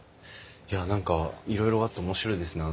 いや何かいろいろあって面白いですね。